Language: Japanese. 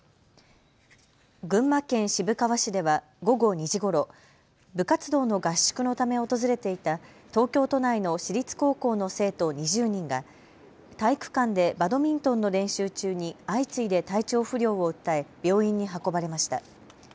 群馬県渋川市では午後２時ごろ部活動の合宿のため訪れていた東京都内の私立高校の生徒２０人が体育館でバドミントンの練習中に相次いで体調不良を訴え病院に運ばれました。